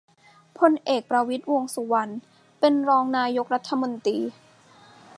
พลเอก ประวิตร วงษ์สุวรรณ เป็นรองนายกรัฐมนตรี